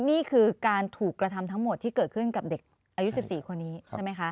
นี่คือการถูกกระทำทั้งหมดที่เกิดขึ้นกับเด็กอายุ๑๔คนนี้ใช่ไหมคะ